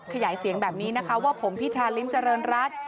ขยายเสียงแบบนี้นะคะว่าผมพิธาริมเจริญรัฐ